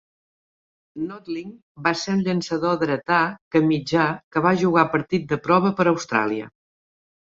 Nothling va ser un llançador dretà que mitjà que va jugar partit de prova per Austràlia.